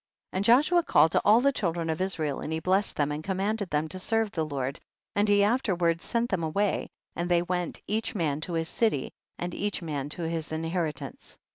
26. And Joshua called to all the children of Israel and he blessed them, and commanded them to serve the Lord, and he afterward sent them away, and they went each inan to his city, and each man to his inheri tance.